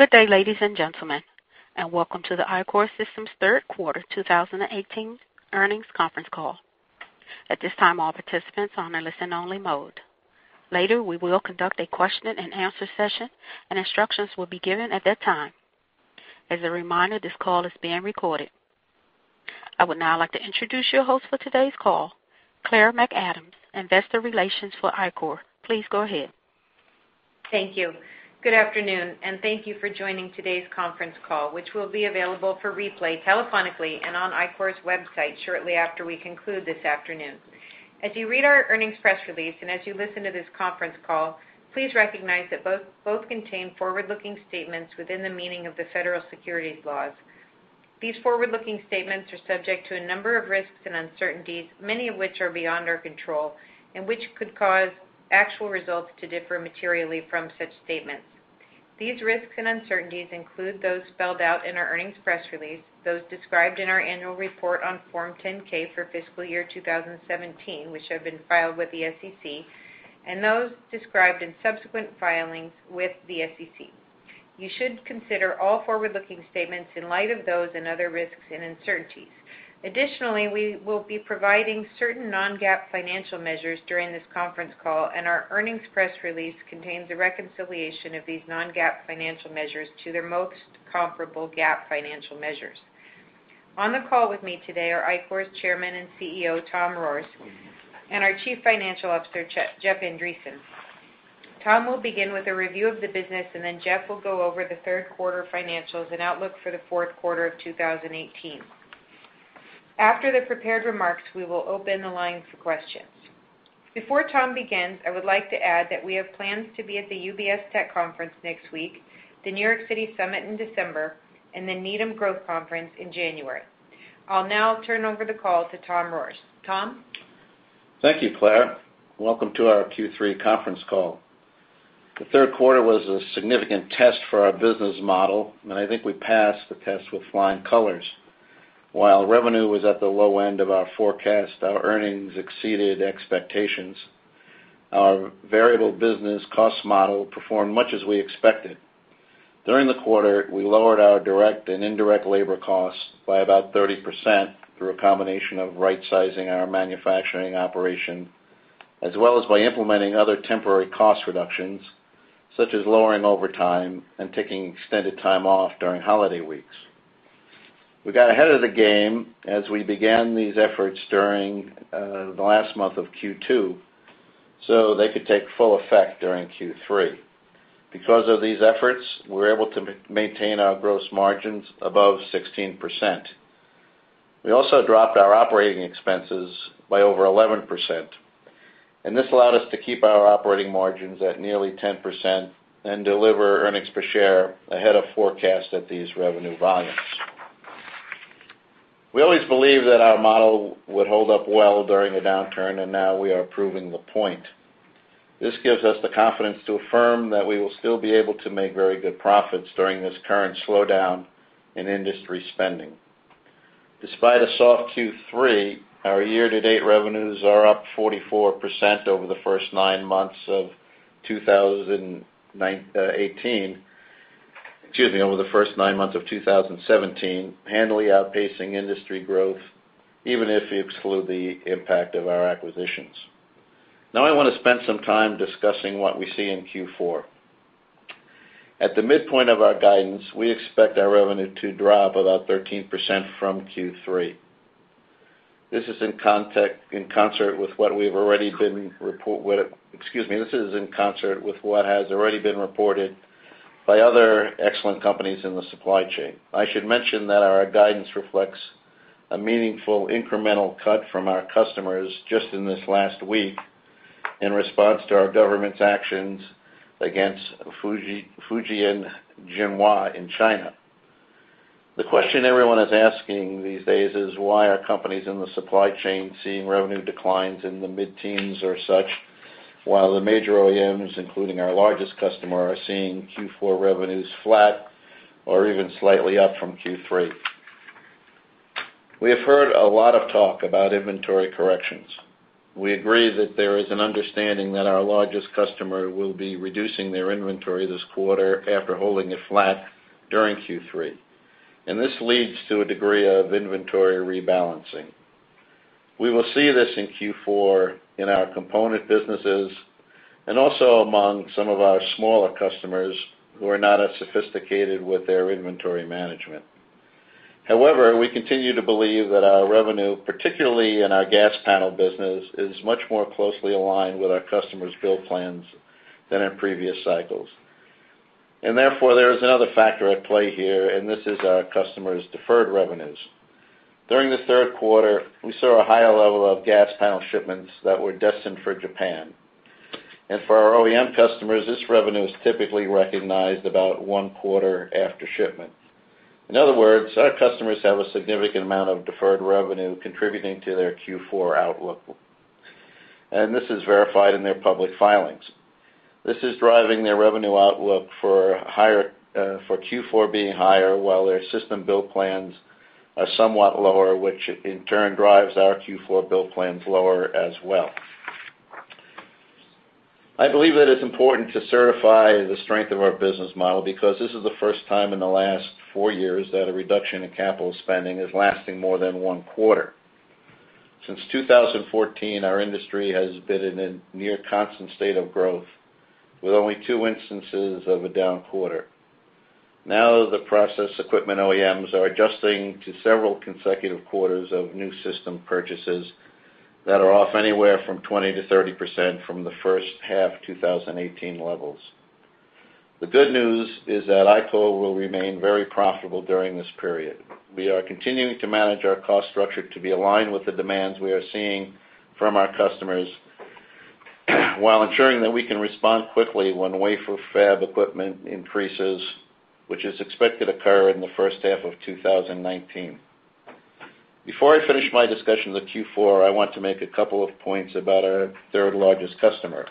Good day, ladies and gentlemen, and welcome to the Ichor third quarter 2018 earnings conference call. At this time, all participants are on a listen-only mode. Later, we will conduct a question and answer session, and instructions will be given at that time. As a reminder, this call is being recorded. I would now like to introduce your host for today's call, Claire McAdams, Investor Relations for Ichor. Please go ahead. Thank you. Good afternoon, and thank you for joining today's conference call, which will be available for replay telephonically and on Ichor's website shortly after we conclude this afternoon. As you read our earnings press release and as you listen to this conference call, please recognize that both contain forward-looking statements within the meaning of the federal securities laws. These forward-looking statements are subject to a number of risks and uncertainties, many of which are beyond our control, and which could cause actual results to differ materially from such statements. These risks and uncertainties include those spelled out in our earnings press release, those described in our annual report on Form 10-K for fiscal year 2017, which have been filed with the SEC, and those described in subsequent filings with the SEC. You should consider all forward-looking statements in light of those and other risks and uncertainties. Additionally, we will be providing certain non-GAAP financial measures during this conference call, and our earnings press release contains a reconciliation of these non-GAAP financial measures to their most comparable GAAP financial measures. On the call with me today are Ichor's Chairman and CEO, Tom Rohrs, and our Chief Financial Officer, Jeff Andreson. Tom will begin with a review of the business, and then Jeff will go over the third quarter financials and outlook for the fourth quarter of 2018. After the prepared remarks, we will open the line for questions. Before Tom begins, I would like to add that we have plans to be at the UBS Tech conference next week, the New York City Summit in December, and the Needham Growth Conference in January. I'll now turn over the call to Tom Rohrs. Tom? Thank you, Claire. Welcome to our Q3 conference call. The third quarter was a significant test for our business model, and I think we passed the test with flying colors. While revenue was at the low end of our forecast, our earnings exceeded expectations. Our variable business cost model performed much as we expected. During the quarter, we lowered our direct and indirect labor costs by about 30% through a combination of rightsizing our manufacturing operation, as well as by implementing other temporary cost reductions, such as lowering overtime and taking extended time off during holiday weeks. We got ahead of the game as we began these efforts during the last month of Q2, so they could take full effect during Q3. Because of these efforts, we were able to maintain our gross margins above 16%. We also dropped our operating expenses by over 11%. This allowed us to keep our operating margins at nearly 10% and deliver earnings per share ahead of forecast at these revenue volumes. We always believed that our model would hold up well during a downturn, and now we are proving the point. This gives us the confidence to affirm that we will still be able to make very good profits during this current slowdown in industry spending. Despite a soft Q3, our year-to-date revenues are up 44% over the first nine months of 2018. Excuse me, over the first nine months of 2017, handily outpacing industry growth, even if you exclude the impact of our acquisitions. Now I want to spend some time discussing what we see in Q4. At the midpoint of our guidance, we expect our revenue to drop about 13% from Q3. This is in concert with what has already been reported by other excellent companies in the supply chain. I should mention that our guidance reflects a meaningful incremental cut from our customers just in this last week in response to our government's actions against Fujian Jinhua in China. The question everyone is asking these days is, why are companies in the supply chain seeing revenue declines in the mid-teens or such, while the major OEMs, including our largest customer, are seeing Q4 revenues flat or even slightly up from Q3? We have heard a lot of talk about inventory corrections. We agree that there is an understanding that our largest customer will be reducing their inventory this quarter after holding it flat during Q3. This leads to a degree of inventory rebalancing. We will see this in Q4 in our component businesses and also among some of our smaller customers who are not as sophisticated with their inventory management. However, we continue to believe that our revenue, particularly in our gas panel business, is much more closely aligned with our customers' build plans than in previous cycles. Therefore, there is another factor at play here. This is our customers' deferred revenues. During the third quarter, we saw a higher level of gas panel shipments that were destined for Japan. For our OEM customers, this revenue is typically recognized about one quarter after shipment. In other words, our customers have a significant amount of deferred revenue contributing to their Q4 outlook. This is verified in their public filings. This is driving their revenue outlook for Q4 being higher, while their system build plans are somewhat lower, which in turn drives our Q4 build plans lower as well. I believe that it's important to certify the strength of our business model because this is the first time in the last four years that a reduction in capital spending is lasting more than one quarter. Since 2014, our industry has been in a near constant state of growth with only two instances of a down quarter. Now, the process equipment OEMs are adjusting to several consecutive quarters of new system purchases that are off anywhere from 20%-30% from the first half 2018 levels. The good news is that Aeon will remain very profitable during this period. We are continuing to manage our cost structure to be aligned with the demands we are seeing from our customers while ensuring that we can respond quickly when wafer fab equipment increases, which is expected to occur in the first half of 2019. Before I finish my discussion with Q4, I want to make a couple of points about our third largest customer.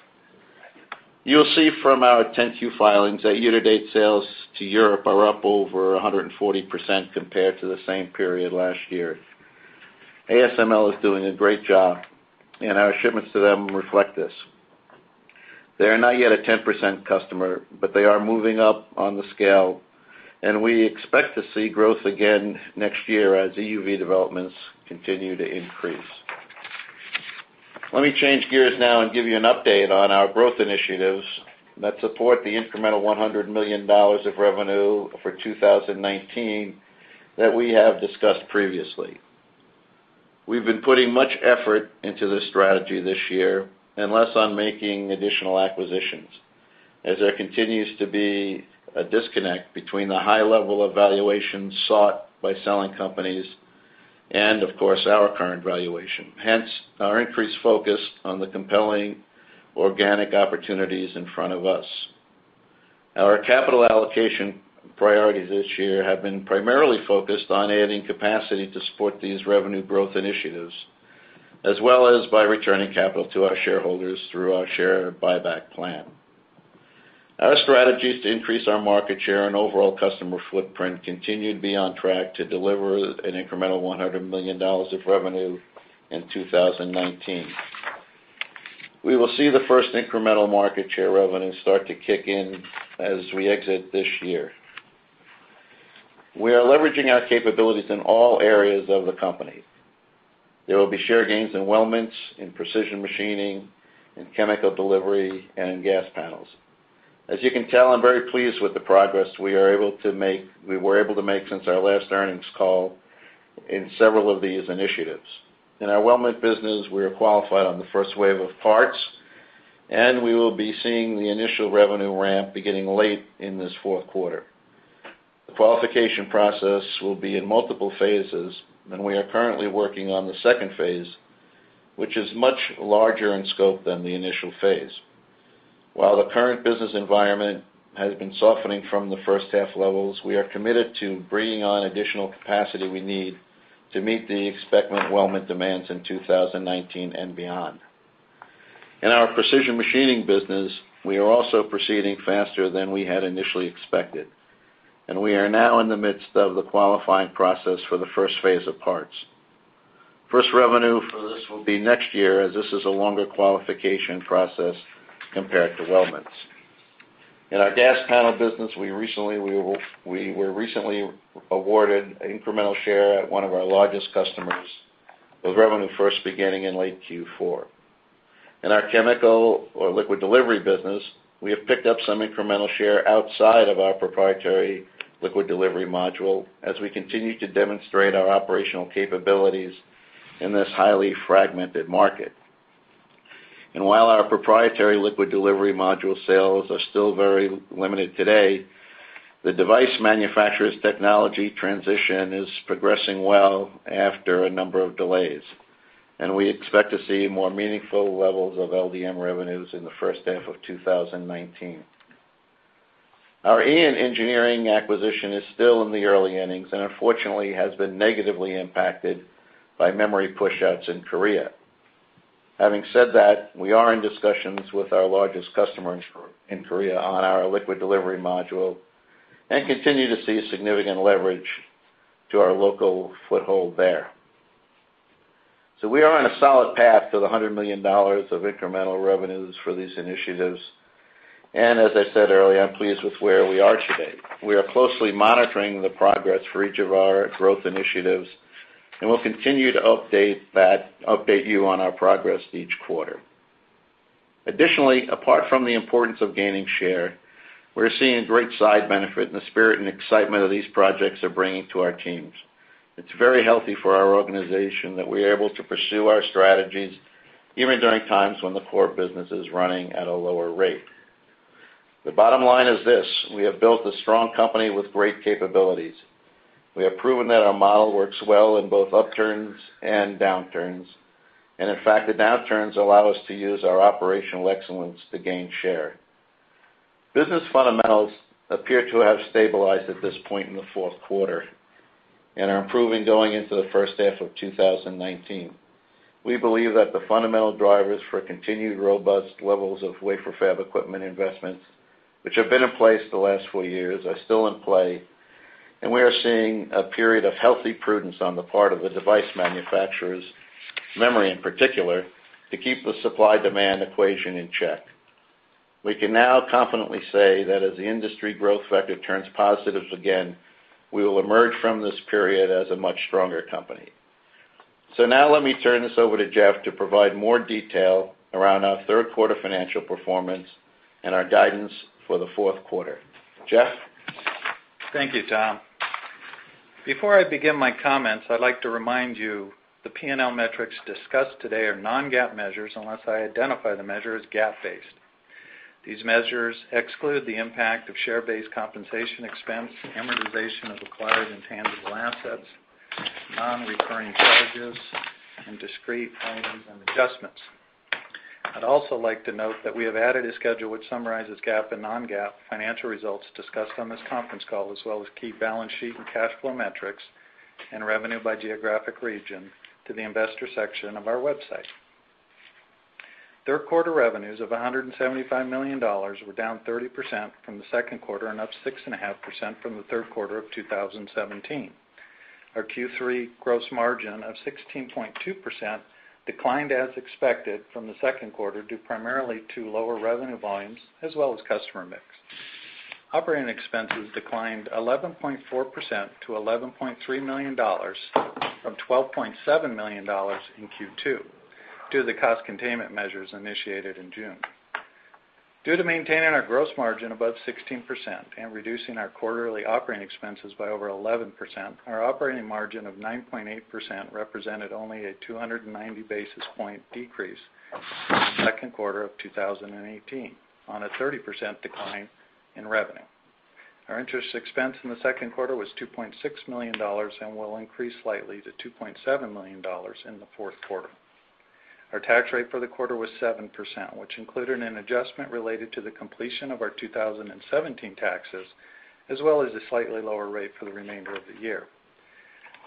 You'll see from our 10-Q filings that year-to-date sales to Europe are up over 140% compared to the same period last year. ASML is doing a great job, and our shipments to them reflect this. They are not yet a 10% customer, but they are moving up on the scale, and we expect to see growth again next year as EUV developments continue to increase. Let me change gears now and give you an update on our growth initiatives that support the incremental $100 million of revenue for 2019 that we have discussed previously. We've been putting much effort into this strategy this year and less on making additional acquisitions, as there continues to be a disconnect between the high level of valuation sought by selling companies and, of course, our current valuation. Hence, our increased focus on the compelling organic opportunities in front of us. Our capital allocation priorities this year have been primarily focused on adding capacity to support these revenue growth initiatives, as well as by returning capital to our shareholders through our share buyback plan. Our strategies to increase our market share and overall customer footprint continue to be on track to deliver an incremental $100 million of revenue in 2019. We will see the first incremental market share revenue start to kick in as we exit this year. We are leveraging our capabilities in all areas of the company. There will be share gains in weldments, in precision machining, in chemical delivery, and in gas panels. As you can tell, I'm very pleased with the progress we were able to make since our last earnings call in several of these initiatives. In our weldment business, we are qualified on the first wave of parts, and we will be seeing the initial revenue ramp beginning late in this fourth quarter. The qualification process will be in multiple phases, and we are currently working on the phase 2, which is much larger in scope than the initial phase. While the current business environment has been softening from the first half levels, we are committed to bringing on additional capacity we need to meet the expected weldment demands in 2019 and beyond. In our precision machining business, we are also proceeding faster than we had initially expected, and we are now in the midst of the qualifying process for the phase 1 of parts. First revenue for this will be next year, as this is a longer qualification process compared to weldments. In our gas panel business, we were recently awarded an incremental share at one of our largest customers, with revenue first beginning in late Q4. In our chemical or liquid delivery business, we have picked up some incremental share outside of our proprietary liquid delivery module as we continue to demonstrate our operational capabilities in this highly fragmented market. While our proprietary liquid delivery module sales are still very limited today, the device manufacturer's technology transition is progressing well after a number of delays. We expect to see more meaningful levels of LDM revenues in the first half of 2019. Our Aeon Engineering acquisition is still in the early innings and unfortunately has been negatively impacted by memory pushouts in Korea. Having said that, we are in discussions with our largest customers in Korea on our liquid delivery module and continue to see significant leverage to our local foothold there. We are on a solid path to the $100 million of incremental revenues for these initiatives. As I said earlier, I'm pleased with where we are today. We are closely monitoring the progress for each of our growth initiatives, and we'll continue to update you on our progress each quarter. Additionally, apart from the importance of gaining share, we're seeing great side benefit in the spirit and excitement that these projects are bringing to our teams. It's very healthy for our organization that we are able to pursue our strategies even during times when the core business is running at a lower rate. The bottom line is this: We have built a strong company with great capabilities. We have proven that our model works well in both upturns and downturns. In fact, the downturns allow us to use our operational excellence to gain share. Business fundamentals appear to have stabilized at this point in the fourth quarter and are improving going into the first half of 2019. We believe that the fundamental drivers for continued robust levels of wafer fab equipment investments, which have been in place the last four years, are still in play. We are seeing a period of healthy prudence on the part of the device manufacturers, memory in particular, to keep the supply-demand equation in check. We can now confidently say that as the industry growth vector turns positive again, we will emerge from this period as a much stronger company. Now let me turn this over to Jeff to provide more detail around our third quarter financial performance and our guidance for the fourth quarter. Jeff? Thank you, Tom. Before I begin my comments, I'd like to remind you the P&L metrics discussed today are non-GAAP measures, unless I identify the measure as GAAP-based. These measures exclude the impact of share-based compensation expense, amortization of acquired intangible assets, non-recurring charges, and discrete items and adjustments. I'd also like to note that we have added a schedule which summarizes GAAP and non-GAAP financial results discussed on this conference call, as well as key balance sheet and cash flow metrics, and revenue by geographic region to the investor section of our website. Third quarter revenues of $175 million were down 30% from the second quarter and up 6.5% from the third quarter of 2017. Our Q3 gross margin of 16.2% declined as expected from the second quarter, due primarily to lower revenue volumes as well as customer mix. Operating expenses declined 11.4% to $11.3 million from $12.7 million in Q2, due to the cost containment measures initiated in June. Due to maintaining our gross margin above 16% and reducing our quarterly operating expenses by over 11%, our operating margin of 9.8% represented only a 290 basis point decrease from the second quarter of 2018 on a 30% decline in revenue. Our interest expense in the second quarter was $2.6 million and will increase slightly to $2.7 million in the fourth quarter. Our tax rate for the quarter was 7%, which included an adjustment related to the completion of our 2017 taxes, as well as a slightly lower rate for the remainder of the year.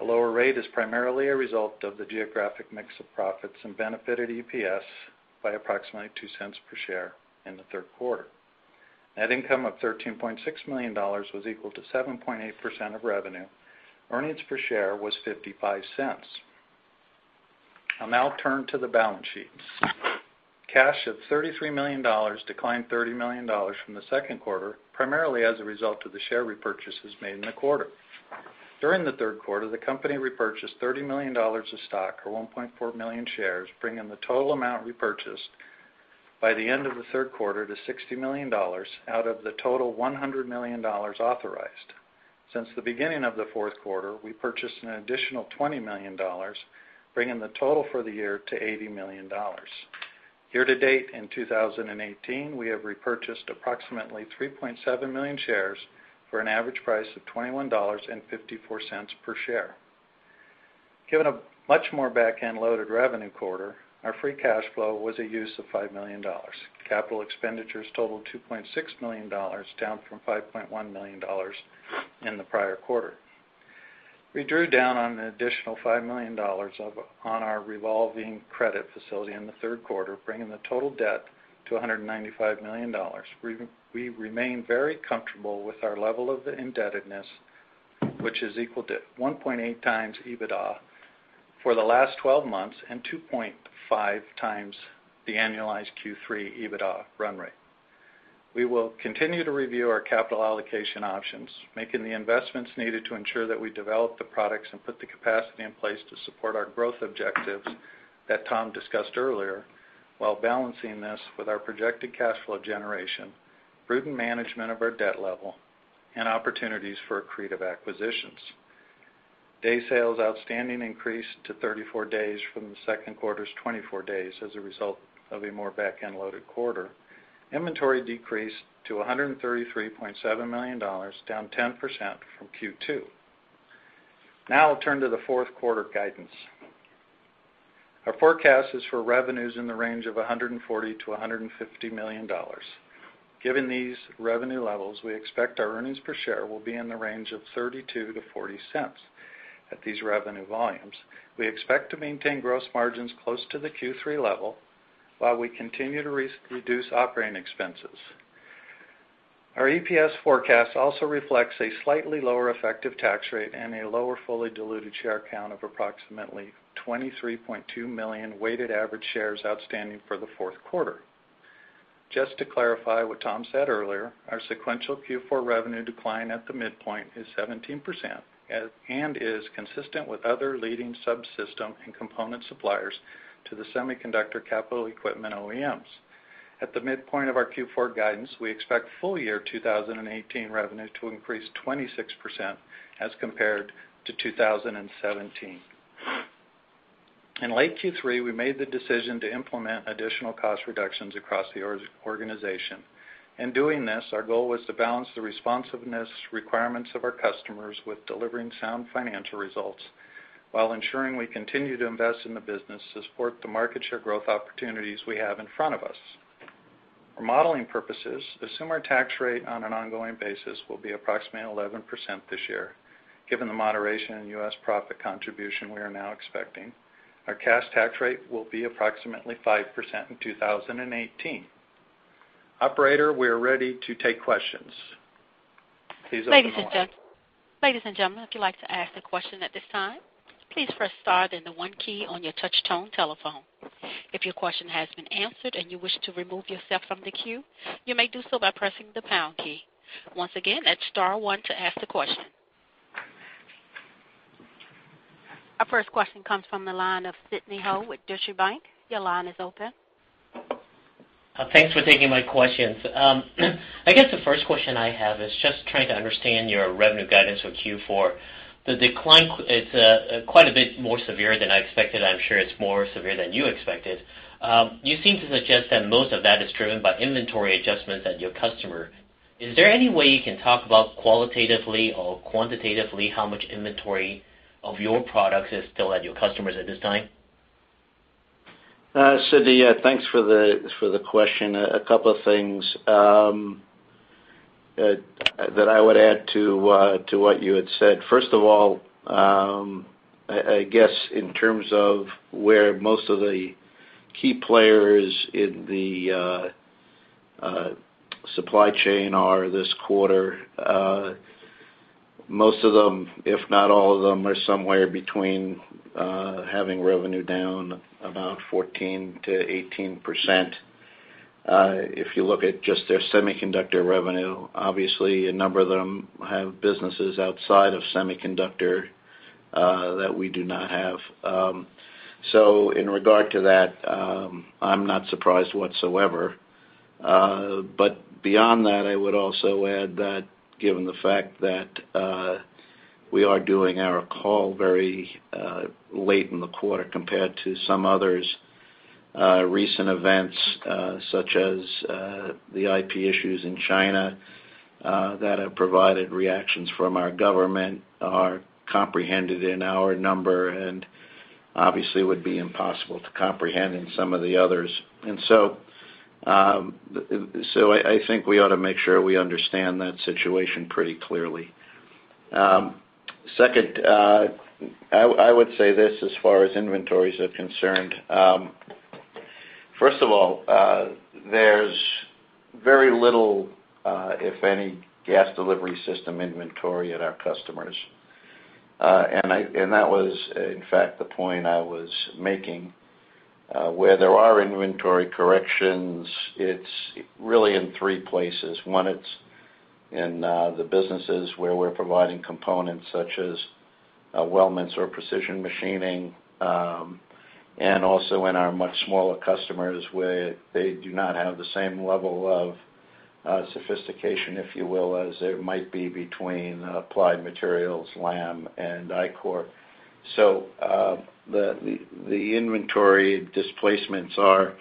A lower rate is primarily a result of the geographic mix of profits and benefited EPS by approximately $0.02 per share in the third quarter. Net income of $13.6 million was equal to 7.8% of revenue. Earnings per share was $0.55. I'll now turn to the balance sheets. Cash of $33 million declined $30 million from the second quarter, primarily as a result of the share repurchases made in the quarter. During the third quarter, the company repurchased $30 million of stock, or 1.4 million shares, bringing the total amount repurchased by the end of the third quarter to $60 million out of the total $100 million authorized. Since the beginning of the fourth quarter, we purchased an additional $20 million, bringing the total for the year to $80 million. Year to date in 2018, we have repurchased approximately 3.7 million shares for an average price of $21.54 per share. Given a much more back-end loaded revenue quarter, our free cash flow was a use of $5 million. Capital expenditures totaled $2.6 million, down from $5.1 million in the prior quarter. We drew down on an additional $5 million on our revolving credit facility in the third quarter, bringing the total debt to $195 million. We remain very comfortable with our level of indebtedness, which is equal to 1.8x EBITDA for the last 12 months, and 2.5x the annualized Q3 EBITDA run rate. We will continue to review our capital allocation options, making the investments needed to ensure that we develop the products and put the capacity in place to support our growth objectives that Tom discussed earlier, while balancing this with our projected cash flow generation, prudent management of our debt level, and opportunities for accretive acquisitions. Day sales outstanding increased to 34 days from the second quarter's 24 days as a result of a more back-end loaded quarter. Inventory decreased to $133.7 million, down 10% from Q2. Now I'll turn to the fourth quarter guidance. Our forecast is for revenues in the range of $140 million-$150 million. Given these revenue levels, we expect our earnings per share will be in the range of $0.32-$0.40 at these revenue volumes. We expect to maintain gross margins close to the Q3 level while we continue to reduce operating expenses. Our EPS forecast also reflects a slightly lower effective tax rate and a lower fully diluted share count of approximately 23.2 million weighted average shares outstanding for the fourth quarter. Just to clarify what Tom said earlier, our sequential Q4 revenue decline at the midpoint is 17% and is consistent with other leading subsystem and component suppliers to the semiconductor capital equipment OEMs. At the midpoint of our Q4 guidance, we expect full year 2018 revenue to increase 26% as compared to 2017. In late Q3, we made the decision to implement additional cost reductions across the organization. In doing this, our goal was to balance the responsiveness requirements of our customers with delivering sound financial results while ensuring we continue to invest in the business to support the market share growth opportunities we have in front of us. For modeling purposes, assume our tax rate on an ongoing basis will be approximately 11% this year, given the moderation in U.S. profit contribution we are now expecting. Our cash tax rate will be approximately 5% in 2018. Operator, we are ready to take questions. Please open the line. Ladies and gentlemen, if you'd like to ask a question at this time, please press star, then the 1 key on your touch-tone telephone. If your question has been answered and you wish to remove yourself from the queue, you may do so by pressing the pound key. Once again, that's star 1 to ask the question. Our first question comes from the line of Sidney Ho with Deutsche Bank. Your line is open. Thanks for taking my questions. I guess the first question I have is just trying to understand your revenue guidance for Q4. The decline is quite a bit more severe than I expected. I'm sure it's more severe than you expected. You seem to suggest that most of that is driven by inventory adjustments at your customer. Is there any way you can talk about qualitatively or quantitatively how much inventory of your products is still at your customers at this time? Sidney, thanks for the question. A couple of things that I would add to what you had said. First of all, I guess, in terms of where most of the key players in the supply chain are this quarter, most of them, if not all of them, are somewhere between having revenue down about 14%-18%. If you look at just their semiconductor revenue, obviously, a number of them have businesses outside of semiconductor, that we do not have. In regard to that, I'm not surprised whatsoever. Beyond that, I would also add that given the fact that we are doing our call very late in the quarter compared to some others, recent events such as the IP issues in China that have provided reactions from our government are comprehended in our number and obviously would be impossible to comprehend in some of the others. I think we ought to make sure we understand that situation pretty clearly. Second, I would say this as far as inventories are concerned. First of all, there's very little, if any, gas delivery system inventory at our customers. That was in fact the point I was making. Where there are inventory corrections, it's really in three places. One, it's in the businesses where we're providing components such as weldments or precision machining, and also in our much smaller customers where they do not have the same level of sophistication, if you will, as there might be between Applied Materials, Lam, and Ichor. The inventory displacements are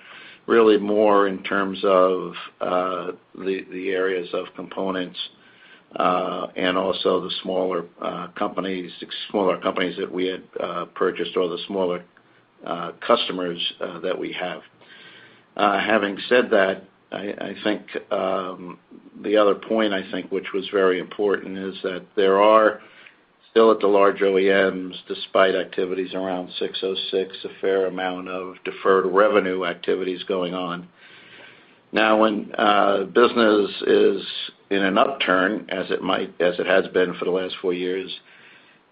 really more in terms of the areas of components, and also the smaller companies that we had purchased or the smaller customers that we have. Having said that, I think the other point, I think which was very important is that there are still at the large OEMs, despite activities around 606, a fair amount of deferred revenue activities going on. Now, when business is in an upturn, as it has been for the last four years,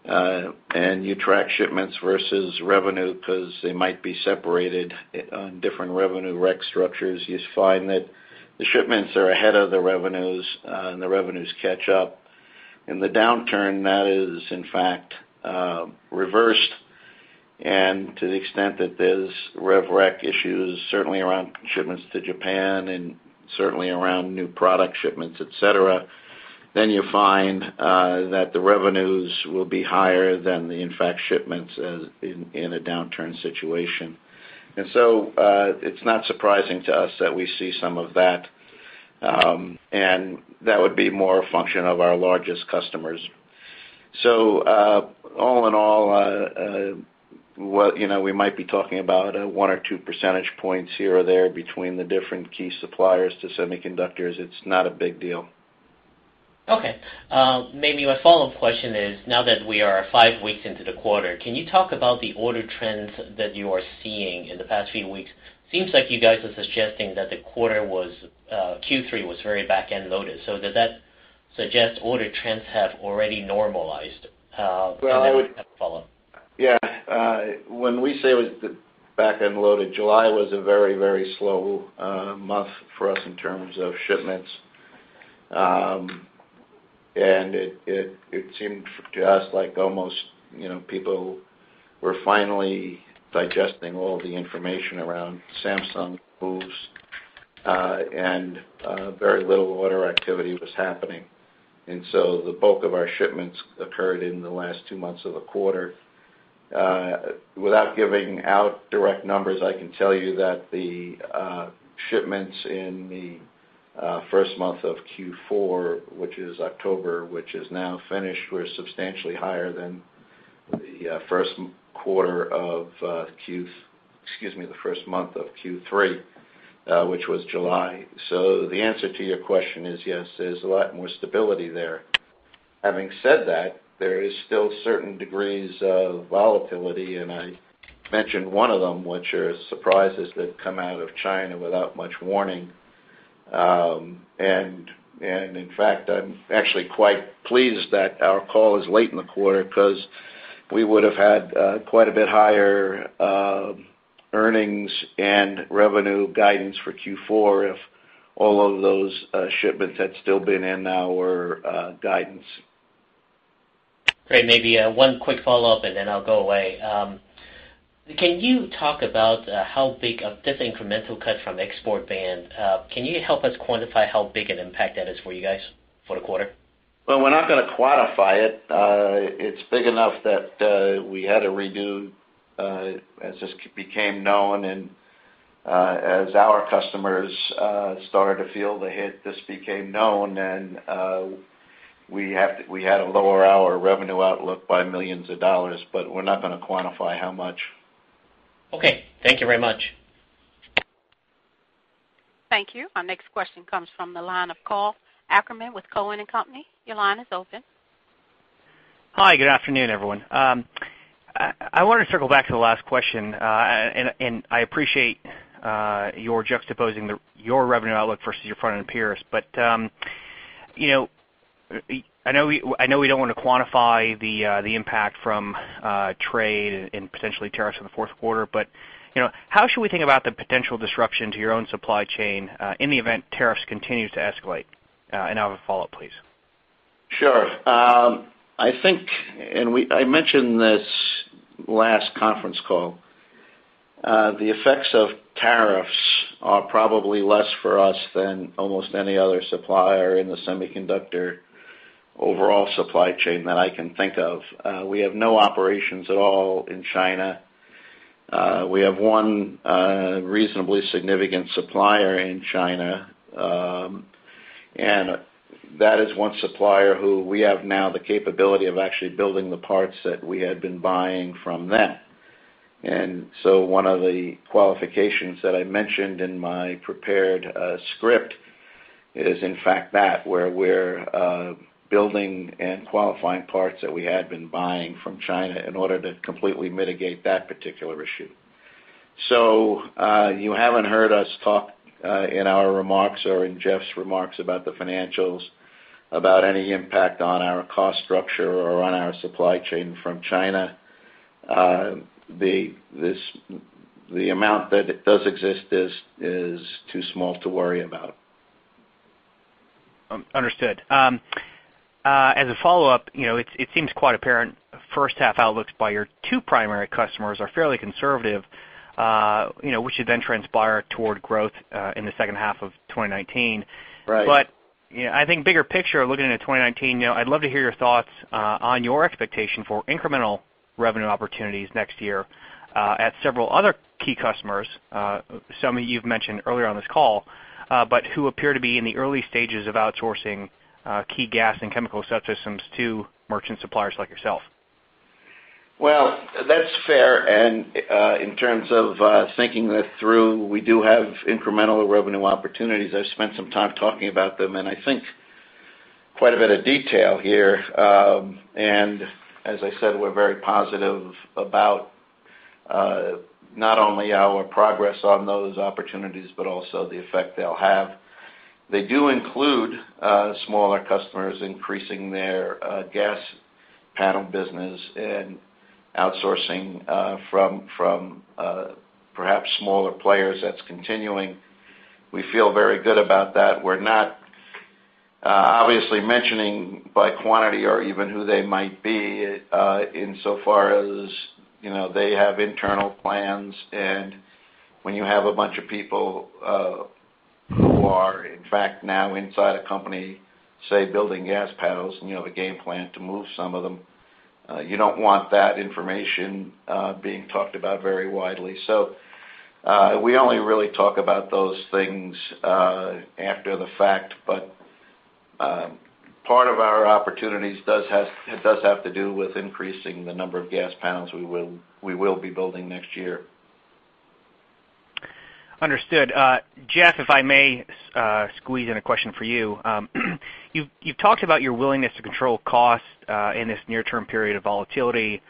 and you track shipments versus revenue because they might be separated on different revenue rec structures, you find that the shipments are ahead of the revenues, and the revenues catch up. In the downturn, that is in fact reversed, and to the extent that there's rev rec issues, certainly around shipments to Japan and certainly around new product shipments, et cetera, you find that the revenues will be higher than the, in fact, shipments in a downturn situation. It's not surprising to us that we see some of that, and that would be more a function of our largest customers. All in all, we might be talking about one or two percentage points here or there between the different key suppliers to semiconductors. It's not a big deal. Okay. Maybe my follow-up question is, now that we are five weeks into the quarter, can you talk about the order trends that you are seeing in the past few weeks? Seems like you guys are suggesting that the Q3 was very back-end loaded. Does that suggest order trends have already normalized? Well, Follow up. Yeah. When we say it was back-end loaded, July was a very, very slow month for us in terms of shipments. It seemed to us like almost people were finally digesting all the information around Samsung moves, and very little order activity was happening. The bulk of our shipments occurred in the last two months of the quarter. Without giving out direct numbers, I can tell you that the shipments in the first month of Q4, which is October, which is now finished, were substantially higher than the first month of Q3, which was July. The answer to your question is yes, there's a lot more stability there. Having said that, there is still certain degrees of volatility, and I mentioned one of them, which are surprises that come out of China without much warning. In fact, I'm actually quite pleased that our call is late in the quarter because we would have had quite a bit higher earnings and revenue guidance for Q4 if all of those shipments had still been in our guidance. Great. Maybe one quick follow-up and then I'll go away. Can you talk about how big of this incremental cut from export ban? Can you help us quantify how big an impact that is for you guys for the quarter? Well, we're not going to quantify it. It's big enough that we had to redo as this became known and as our customers started to feel the hit, this became known, and we had to lower our revenue outlook by millions of dollars. We're not going to quantify how much. Okay. Thank you very much. Thank you. Our next question comes from the line of Karl Ackerman with Cowen and Company. Your line is open. Hi, good afternoon, everyone. I want to circle back to the last question. I appreciate your juxtaposing your revenue outlook versus your front-end peers. I know we don't want to quantify the impact from trade and potentially tariffs in the fourth quarter. How should we think about the potential disruption to your own supply chain in the event tariffs continues to escalate? I have a follow-up, please. Sure. I think, I mentioned this last conference call, the effects of tariffs are probably less for us than almost any other supplier in the semiconductor overall supply chain that I can think of. We have no operations at all in China. We have one reasonably significant supplier in China, and that is one supplier who we have now the capability of actually building the parts that we had been buying from them. One of the qualifications that I mentioned in my prepared script is in fact that where we're building and qualifying parts that we had been buying from China in order to completely mitigate that particular issue. You haven't heard us talk in our remarks or in Jeff's remarks about the financials, about any impact on our cost structure or on our supply chain from China. The amount that does exist is too small to worry about. Understood. As a follow-up, it seems quite apparent first half outlooks by your two primary customers are fairly conservative which should then transpire toward growth in the second half of 2019. Right. I think bigger picture looking into 2019, I'd love to hear your thoughts on your expectation for incremental revenue opportunities next year at several other key customers, some you've mentioned earlier on this call, but who appear to be in the early stages of outsourcing key gas and chemical subsystems to merchant suppliers like yourself. Well, that's fair. In terms of thinking that through, we do have incremental revenue opportunities. I've spent some time talking about them. I think quite a bit of detail here. As I said, we're very positive about not only our progress on those opportunities, but also the effect they'll have. They do include smaller customers increasing their gas panel business and outsourcing from perhaps smaller players that's continuing. We feel very good about that. We're not obviously mentioning by quantity or even who they might be insofar as they have internal plans, and when you have a bunch of people who are, in fact, now inside a company, say building gas panels, and you have a game plan to move some of them, you don't want that information being talked about very widely. We only really talk about those things after the fact, but part of our opportunities does have to do with increasing the number of gas panels we will be building next year. Understood. Jeff, if I may squeeze in a question for you. You've talked about your willingness to control cost in this near-term period of volatility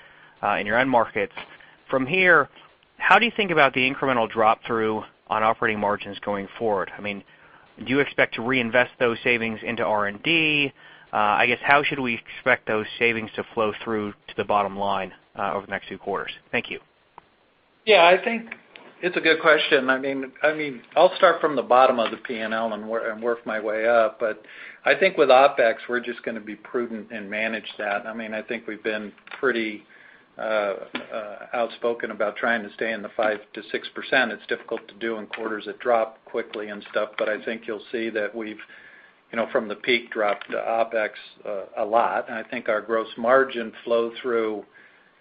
in your end markets. From here, how do you think about the incremental drop-through on operating margins going forward? I mean, do you expect to reinvest those savings into R&D? I guess, how should we expect those savings to flow through to the bottom line over the next few quarters? Thank you. Yeah, I think it's a good question. I'll start from the bottom of the P&L and work my way up. I think with OpEx, we're just going to be prudent and manage that. I think we've been pretty outspoken about trying to stay in the 5%-6%. It's difficult to do in quarters that drop quickly and stuff, but I think you'll see that we've from the peak dropped OpEx a lot, and I think our gross margin flow through,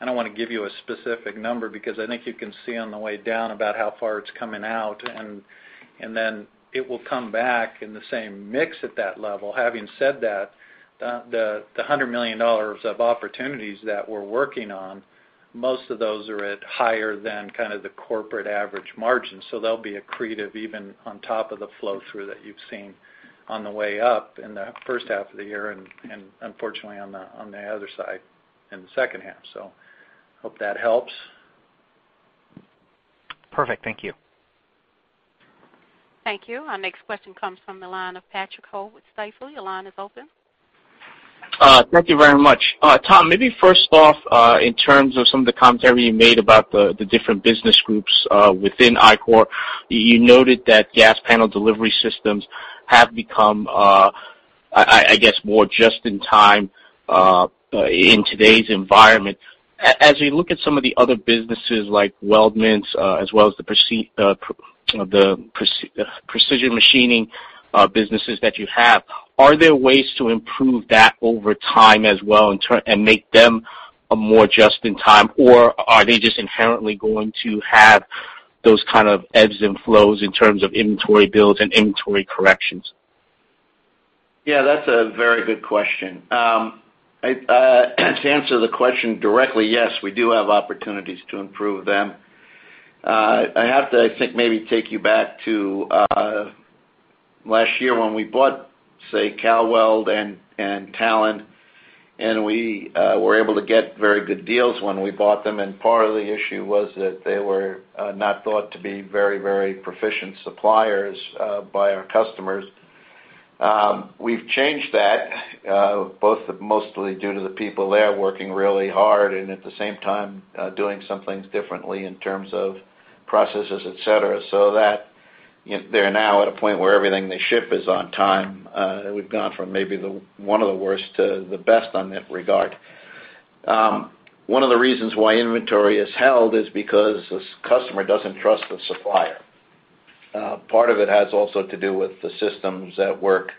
I don't want to give you a specific number because I think you can see on the way down about how far it's coming out, and then it will come back in the same mix at that level. Having said that, the $100 million of opportunities that we're working on, most of those are at higher than kind of the corporate average margin. They'll be accretive even on top of the flow-through that you've seen on the way up in the first half of the year and unfortunately on the other side in the second half. Hope that helps. Perfect. Thank you. Thank you. Our next question comes from the line of Patrick Ho with Stifel. Your line is open. Thank you very much. Tom, maybe first off, in terms of some of the commentary you made about the different business groups within Ichor, you noted that gas panel delivery systems have become, I guess, more just-in-time in today's environment. As we look at some of the other businesses like weldments as well as the precision machining businesses that you have, are there ways to improve that over time as well and make them a more just-in-time, or are they just inherently going to have those kind of ebbs and flows in terms of inventory builds and inventory corrections? Yeah, that's a very good question. To answer the question directly, yes, we do have opportunities to improve them. I have to, I think, maybe take you back to last year when we bought, say, Cal-Weld and Talon, and we were able to get very good deals when we bought them, and part of the issue was that they were not thought to be very proficient suppliers by our customers. We've changed that, mostly due to the people there working really hard and at the same time doing some things differently in terms of processes, et cetera. They're now at a point where everything they ship is on time. We've gone from maybe one of the worst to the best on that regard. One of the reasons why inventory is held is because the customer doesn't trust the supplier. Part of it has also to do with the systems at work,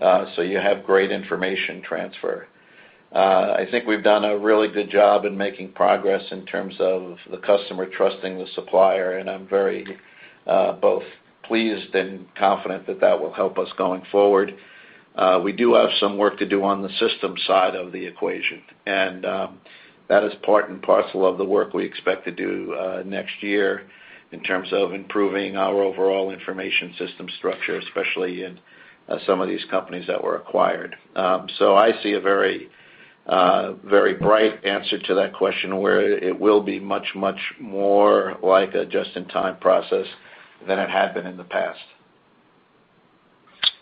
you have great information transfer. I think we've done a really good job in making progress in terms of the customer trusting the supplier, I'm very both pleased and confident that that will help us going forward. We do have some work to do on the system side of the equation, that is part and parcel of the work we expect to do next year in terms of improving our overall information system structure, especially in some of these companies that were acquired. I see a very bright answer to that question, where it will be much more like a just-in-time process than it had been in the past.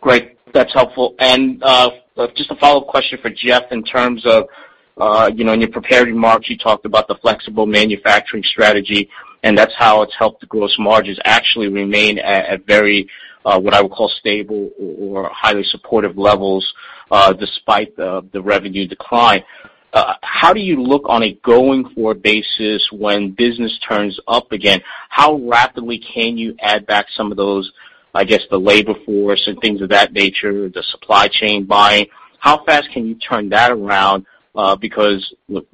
Great. That's helpful. Just a follow-up question for Jeff in terms of, in your prepared remarks, you talked about the flexible manufacturing strategy. That's how it's helped gross margins actually remain at very, what I would call stable or highly supportive levels, despite the revenue decline. How do you look on a going-forward basis when business turns up again? How rapidly can you add back some of those, I guess, the labor force and things of that nature, the supply chain buying? How fast can you turn that around? Both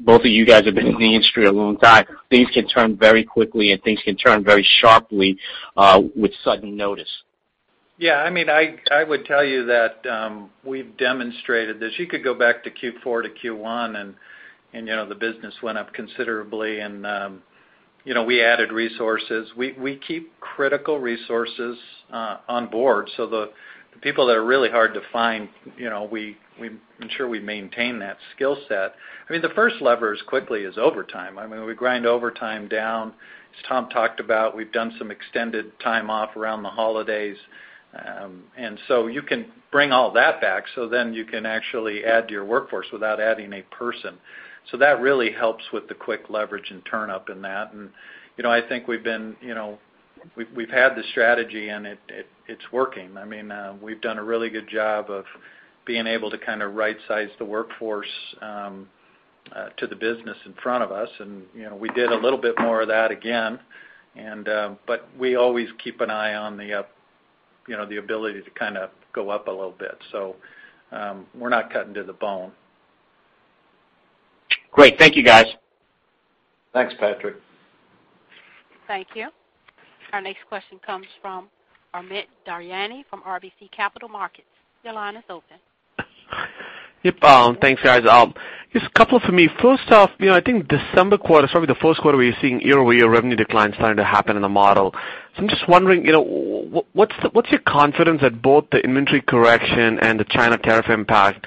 of you guys have been in the industry a long time. Things can turn very quickly, and things can turn very sharply with sudden notice. I would tell you that we've demonstrated this. You could go back to Q4 to Q1. The business went up considerably. We added resources. We keep critical resources on board. The people that are really hard to find, we ensure we maintain that skill set. The first lever as quickly is overtime. We grind overtime down. As Tom talked about, we've done some extended time off around the holidays. You can bring all that back. Then you can actually add to your workforce without adding a person. That really helps with the quick leverage and turn up in that. I think we've had the strategy. It's working. We've done a really good job of being able to kind of right-size the workforce to the business in front of us. We did a little bit more of that again. We always keep an eye on the ability to kind of go up a little bit. We're not cutting to the bone. Great. Thank you, guys. Thanks, Patrick. Thank you. Our next question comes from Amit Daryanani from RBC Capital Markets. Your line is open. Yep. Thanks, guys. Just a couple for me. First off, I think December quarter is probably the first quarter we're seeing year-over-year revenue declines starting to happen in the model. I'm just wondering, what's your confidence that both the inventory correction and the China tariff impact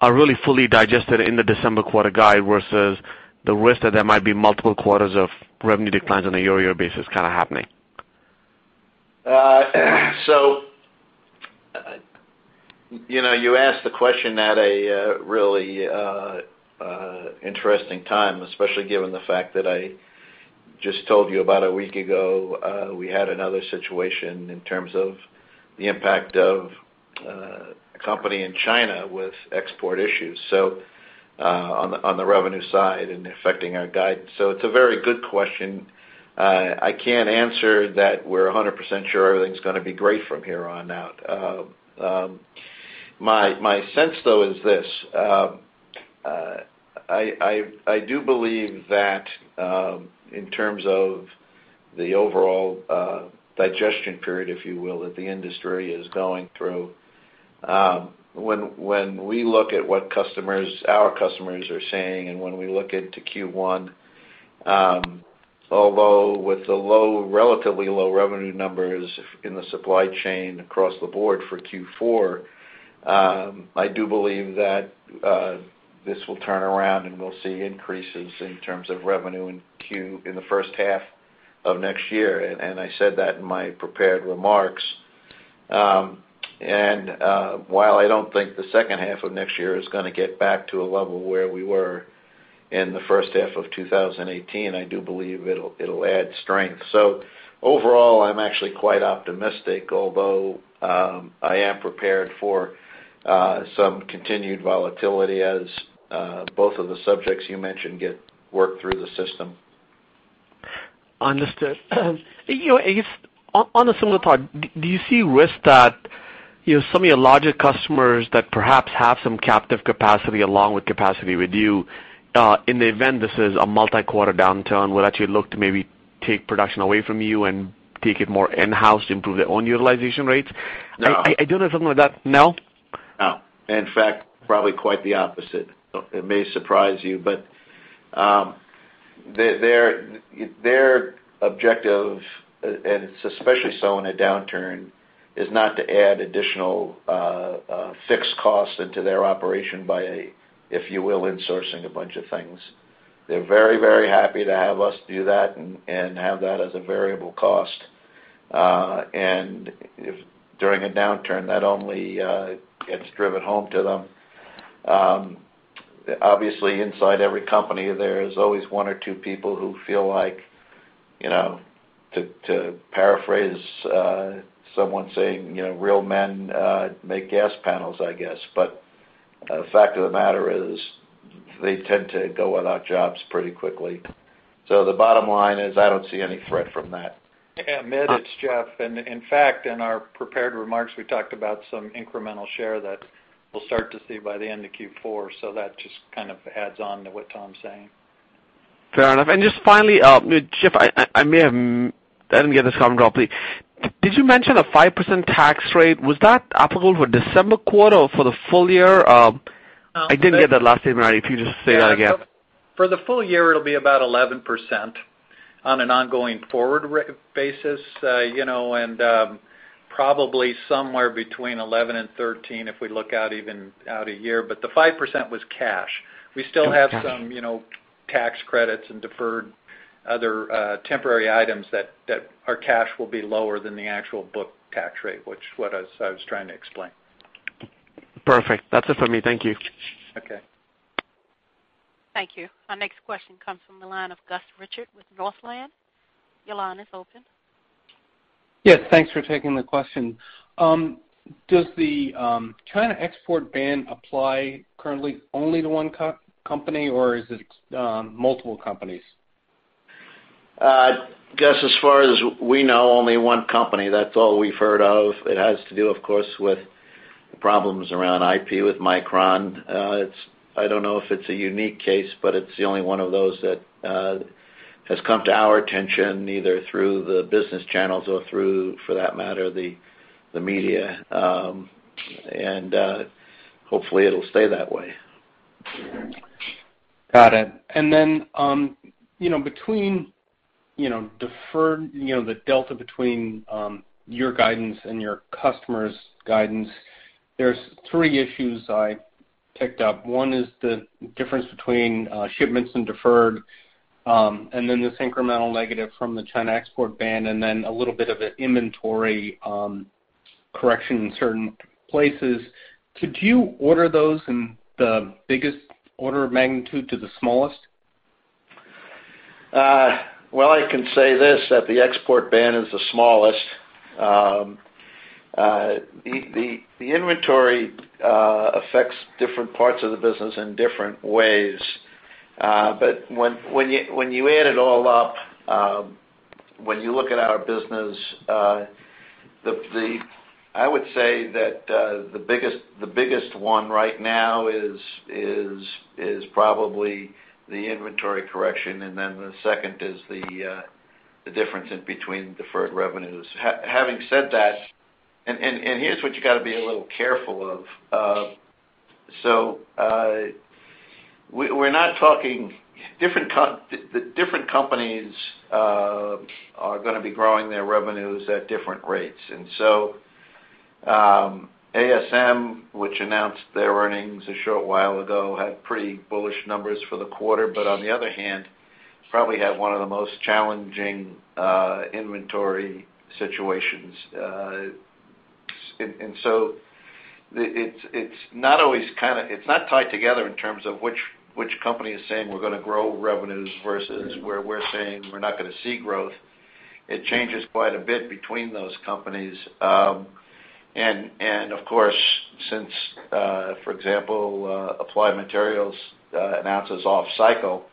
are really fully digested in the December quarter guide versus the risk that there might be multiple quarters of revenue declines on a year-over-year basis kind of happening? You asked the question at a really interesting time, especially given the fact that I just told you about a week ago, we had another situation in terms of the impact of a company in China with export issues, on the revenue side and affecting our guidance. It's a very good question. I can't answer that we're 100% sure everything's going to be great from here on out. My sense, though, is this. I do believe that in terms of the overall digestion period, if you will, that the industry is going through. When we look at what our customers are saying, and when we look into Q1, although with the relatively low revenue numbers in the supply chain across the board for Q4, I do believe that this will turn around, and we'll see increases in terms of revenue in the first half of next year, and I said that in my prepared remarks. While I don't think the second half of next year is going to get back to a level where we were in the first half of 2018, I do believe it'll add strength. Overall, I'm actually quite optimistic, although I am prepared for some continued volatility as both of the subjects you mentioned get worked through the system. Understood. On a similar thought, do you see risks that some of your larger customers that perhaps have some captive capacity along with capacity with you, in the event this is a multi-quarter downturn, will actually look to maybe take production away from you and take it more in-house to improve their own utilization rates? No. I don't know if something like that No? No. In fact, probably quite the opposite. It may surprise you, but their objective, and it's especially so in a downturn, is not to add additional fixed costs into their operation by, if you will, insourcing a bunch of things. They're very happy to have us do that and have that as a variable cost. During a downturn, that only gets driven home to them. Obviously, inside every company, there is always one or two people who feel like, to paraphrase someone saying, real men make gas panels, I guess. The fact of the matter is, they tend to go without jobs pretty quickly. The bottom line is, I don't see any threat from that. Yeah, Amit, it's Jeff. In fact, in our prepared remarks, we talked about some incremental share that we'll start to see by the end of Q4, that just kind of adds on to what Tom's saying. Fair enough. Just finally, Jeff, I didn't get this covered properly. Did you mention a 5% tax rate? Was that applicable for December quarter or for the full year? I didn't get that last statement right, if you just say that again. For the full year, it'll be about 11% on an ongoing forward basis. Probably somewhere between 11 and 13 if we look out even out a year. The 5% was cash. We still have some tax credits and deferred other temporary items that our cash will be lower than the actual book tax rate, which is what I was trying to explain. Perfect. That's it from me. Thank you. Okay. Thank you. Our next question comes from the line of Gus Richard with Northland. Your line is open. Yes, thanks for taking the question. Does the China export ban apply currently only to one company, or is it multiple companies? Gus, as far as we know, only one company. That's all we've heard of. It has to do, of course, with the problems around IP with Micron. I don't know if it's a unique case, but it's the only one of those that has come to our attention, either through the business channels or through, for that matter, the media. Hopefully, it'll stay that way. Got it. Then the delta between your guidance and your customers' guidance, there are three issues I picked up. One is the difference between shipments and deferred, then the incremental negative from the China export ban, then a little bit of an inventory correction in certain places. Could you order those in the biggest order of magnitude to the smallest? Well, I can say this, that the export ban is the smallest. The inventory affects different parts of the business in different ways. When you add it all up, when you look at our business, I would say that the biggest one right now is probably the inventory correction, and then the second is the difference in between deferred revenues. Having said that, here's what you got to be a little careful of. Different companies are going to be growing their revenues at different rates. ASM, which announced their earnings a short while ago, had pretty bullish numbers for the quarter, but on the other hand, probably had one of the most challenging inventory situations. It's not tied together in terms of which company is saying we're going to grow revenues versus where we're saying we're not going to see growth. It changes quite a bit between those companies. Of course, since, for example, Applied Materials announces off cycle,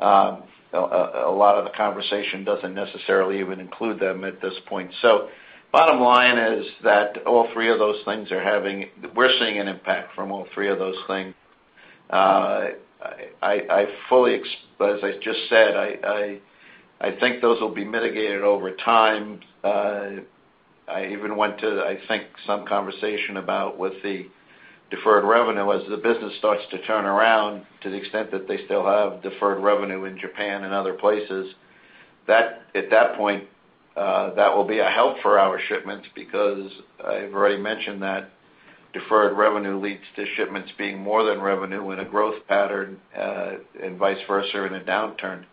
a lot of the conversation doesn't necessarily even include them at this point. Bottom line is that we're seeing an impact from all three of those things. As I just said, I think those will be mitigated over time. I even went to, I think, some conversation about with the deferred revenue, as the business starts to turn around to the extent that they still have deferred revenue in Japan and other places. At that point, that will be a help for our shipments because I've already mentioned that deferred revenue leads to shipments being more than revenue in a growth pattern, and vice versa in a downturn.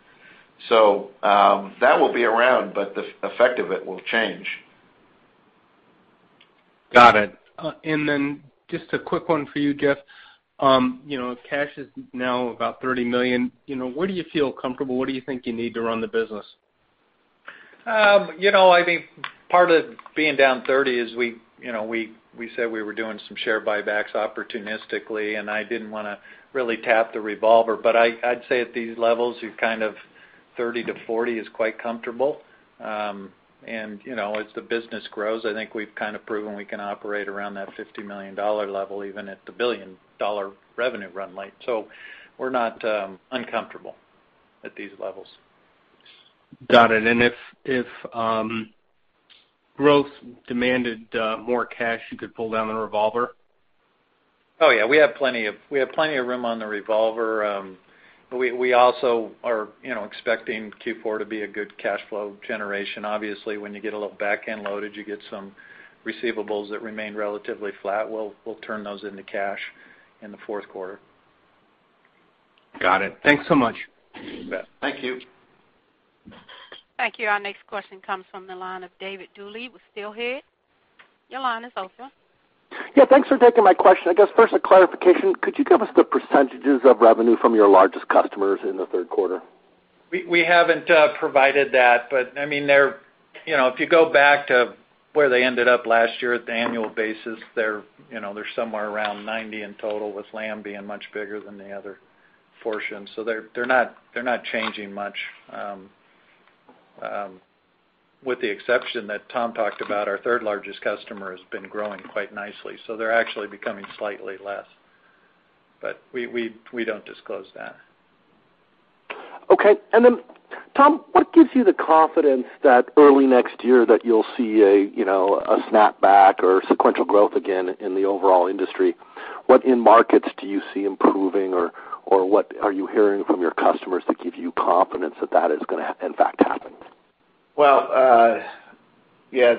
That will be around, but the effect of it will change. Got it. Then just a quick one for you, Jeff. Cash is now about $30 million. Where do you feel comfortable? What do you think you need to run the business? I think part of being down $30 million is we said we were doing some share buybacks opportunistically, and I didn't want to really tap the revolver. I'd say at these levels, you kind of $30 million-$40 million is quite comfortable. As the business grows, I think we've kind of proven we can operate around that $50 million level, even at the billion-dollar revenue run rate. We're not uncomfortable at these levels. Got it. If growth demanded more cash, you could pull down the revolver? Oh, yeah, we have plenty of room on the revolver. We also are expecting Q4 to be a good cash flow generation. Obviously, when you get a little back-end loaded, you get some receivables that remain relatively flat. We'll turn those into cash in the fourth quarter. Got it. Thanks so much. You bet. Thank you. Thank you. Our next question comes from the line of David Dooley with Steelhead. Your line is open. Yeah, thanks for taking my question. I guess first a clarification, could you give us the percentages of revenue from your largest customers in the third quarter? We haven't provided that, if you go back to where they ended up last year at the annual basis, they're somewhere around 90% in total, with Lam being much bigger than the other portions. They're not changing much, with the exception that Tom talked about, our third largest customer has been growing quite nicely, so they're actually becoming slightly less. We don't disclose that. Okay. Tom, what gives you the confidence that early next year that you'll see a snap back or sequential growth again in the overall industry? What end markets do you see improving or what are you hearing from your customers that give you confidence that that is going to in fact happen? Well, yeah,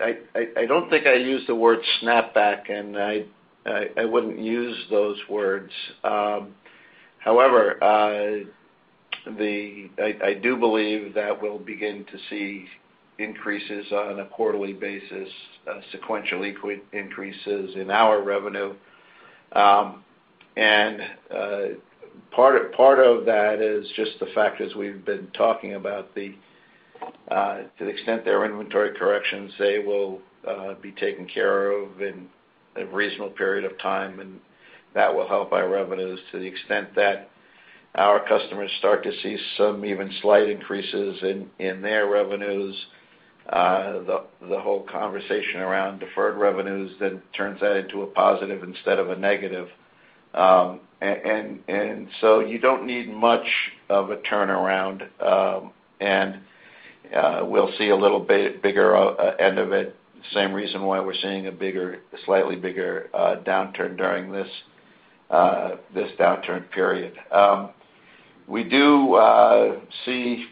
I don't think I use the word snapback, I wouldn't use those words. However, I do believe that we'll begin to see increases on a quarterly basis, sequential increases in our revenue. Part of that is just the fact, as we've been talking about, to the extent their inventory corrections, they will be taken care of in a reasonable period of time, that will help our revenues to the extent that our customers start to see some even slight increases in their revenues, the whole conversation around deferred revenues then turns that into a positive instead of a negative. You don't need much of a turnaround, we'll see a little bit bigger end of it, same reason why we're seeing a slightly bigger downturn during this downturn period. We do see,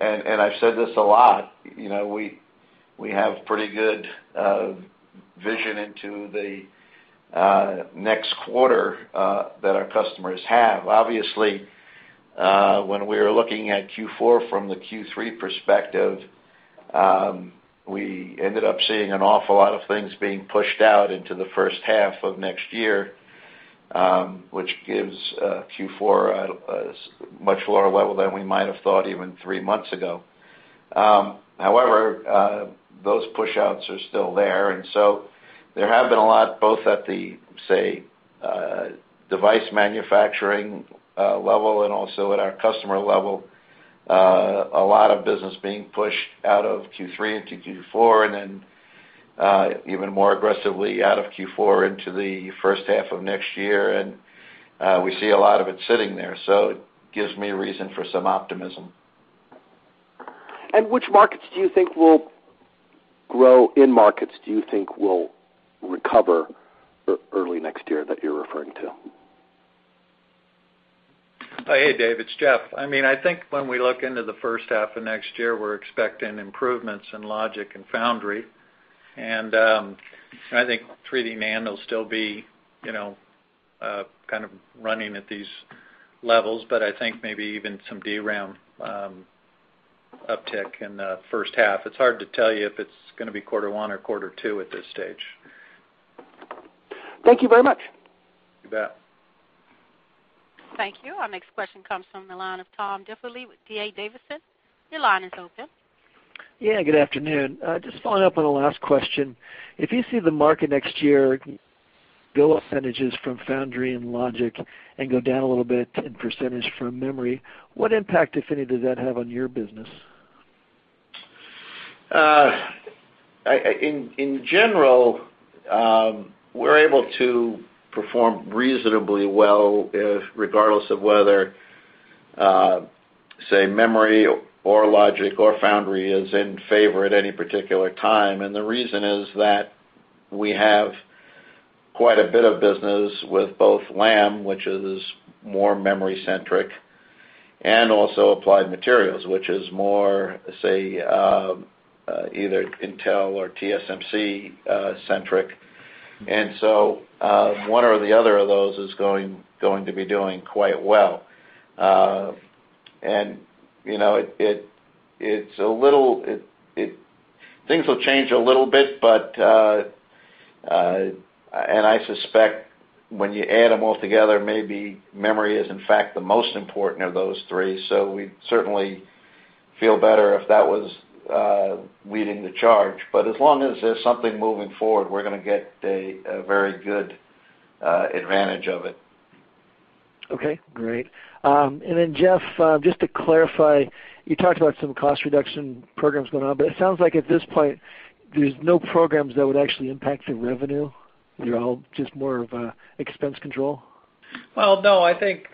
I've said this a lot, we have pretty good vision into the next quarter that our customers have. Obviously, when we are looking at Q4 from the Q3 perspective, we ended up seeing an awful lot of things being pushed out into the first half of next year, which gives Q4 a much lower level than we might have thought even three months ago. However, those push outs are still there have been a lot, both at the, say, device manufacturing level and also at our customer level, a lot of business being pushed out of Q3 into Q4, then even more aggressively out of Q4 into the first half of next year. We see a lot of it sitting there, so it gives me reason for some optimism. Which markets do you think will grow? End markets do you think will recover early next year that you're referring to? Hey, David, it's Jeff. I think when we look into the first half of next year, we're expecting improvements in logic and foundry. I think 3D NAND will still be kind of running at these levels, but I think maybe even some DRAM uptick in the first half. It's hard to tell you if it's going to be quarter one or quarter two at this stage. Thank you very much. You bet. Thank you. Our next question comes from the line of Tom Diffely with D.A. Davidson. Your line is open. Yeah, good afternoon. Just following up on the last question. If you see the market next year go up percentages from foundry and logic and go down a little bit in percentage from memory, what impact, if any, does that have on your business? In general, we're able to perform reasonably well regardless of whether, say, memory or logic or foundry is in favor at any particular time, the reason is that we have quite a bit of business with both Lam, which is more memory-centric, and also Applied Materials, which is more, say, either Intel or TSMC-centric. One or the other of those is going to be doing quite well. Things will change a little bit, I suspect when you add them all together, maybe memory is in fact the most important of those three. We'd certainly feel better if that was leading the charge. As long as there's something moving forward, we're going to get a very good advantage of it. Okay, great. Jeff, just to clarify, you talked about some cost reduction programs going on, it sounds like at this point, there's no programs that would actually impact the revenue. They're all just more of expense control? Well, no, I think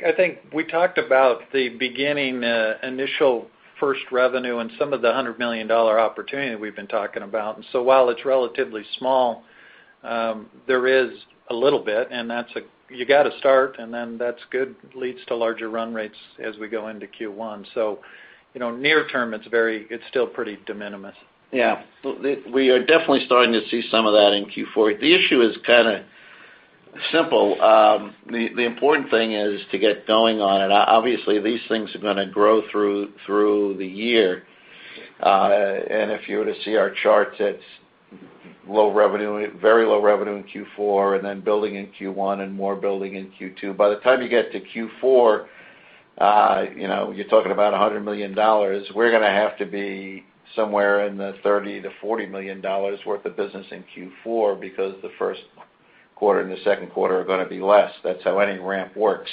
we talked about the beginning, initial first revenue and some of the $100 million opportunity we've been talking about. While it's relatively small, there is a little bit, and you got to start, and then that's good, leads to larger run rates as we go into Q1. Near term, it's still pretty de minimis. We are definitely starting to see some of that in Q4. The issue is kind of simple. The important thing is to get going on it. Obviously, these things are going to grow through the year. If you were to see our charts, it's very low revenue in Q4, then building in Q1, and more building in Q2. By the time you get to Q4, you're talking about $100 million. We're going to have to be somewhere in the $30 million-$40 million worth of business in Q4 because the first quarter and the second quarter are going to be less. That's how any ramp works.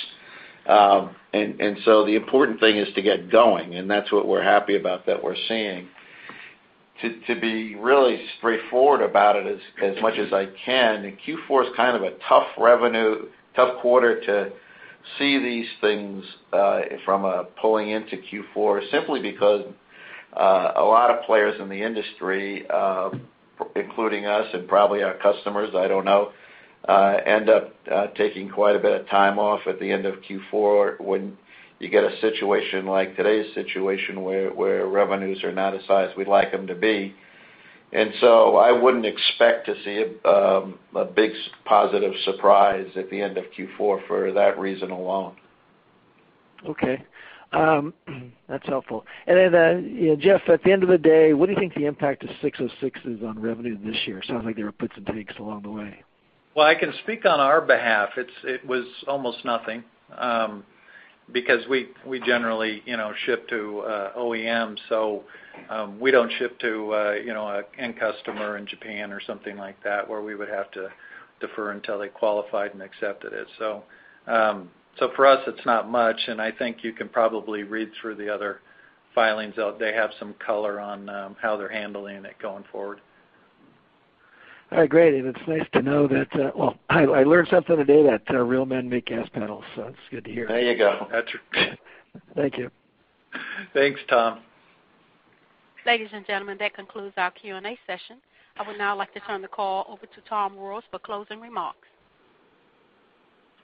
The important thing is to get going, and that's what we're happy about that we're seeing. To be really straightforward about it as much as I can, Q4 is kind of a tough quarter to see these things from a pulling into Q4, simply because a lot of players in the industry, including us and probably our customers, I don't know, end up taking quite a bit of time off at the end of Q4 when you get a situation like today's situation where revenues are not as high as we'd like them to be. I wouldn't expect to see a big positive surprise at the end of Q4 for that reason alone. Okay. That's helpful. Jeff, at the end of the day, what do you think the impact of 606 is on revenue this year? Sounds like there were puts and takes along the way. Well, I can speak on our behalf. It was almost nothing, because we generally ship to OEM, we don't ship to an end customer in Japan or something like that, where we would have to defer until they qualified and accepted it. For us, it's not much, and I think you can probably read through the other filings. They have some color on how they're handling it going forward. All right, great. It's nice to know that I learned something today, that real men make gas panels, so it's good to hear. There you go. That's true. Thank you. Thanks, Tom. Ladies and gentlemen, that concludes our Q&A session. I would now like to turn the call over to Tom Rohrs for closing remarks.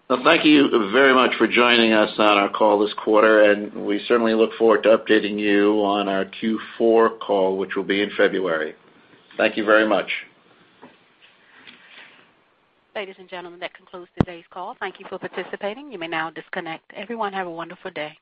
Well, thank you very much for joining us on our call this quarter, and we certainly look forward to updating you on our Q4 call, which will be in February. Thank you very much. Ladies and gentlemen, that concludes today's call. Thank you for participating. You may now disconnect. Everyone have a wonderful day.